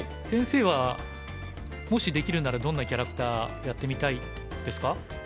先生はもしできるならどんなキャラクターやってみたいですか？